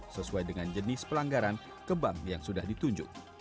sesuai dengan jenis pelanggaran ke bank yang sudah ditunjuk